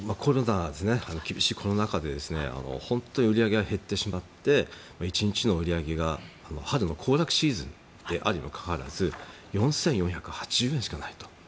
厳しいコロナ禍で本当に売り上げが減ってしまって１日の売り上げが春の行楽シーズンであるにもかかわらず４４８０円しかないと。